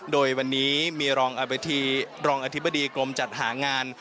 โดยวันนี้มีรองอธิบดีกรมจัดหางาน